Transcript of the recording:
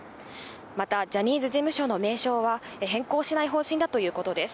また、ジャニーズ事務所の名称は変更しない方針だということです。